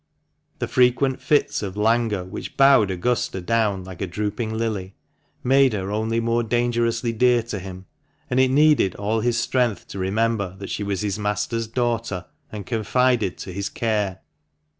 The frequent fits of languor which bowed Augusta down like a drooping lily, made her only more dangerously dear to him, and it needed all his strength to remember that she was his master's daughter, and confided to his care.